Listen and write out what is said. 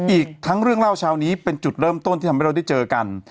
อีกทั้งเรื่องเล่าเช้านี้เป็นจุดเริ่มต้นที่ทำให้เราได้เจอกัน